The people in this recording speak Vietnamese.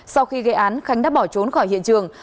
sau khi gây án khánh đã bỏ trốn khỏi hiện trường